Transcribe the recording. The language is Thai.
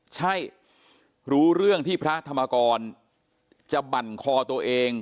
ใช่รู้เรื่องที่พระธรรมกรจะบั่นคอตัวเอง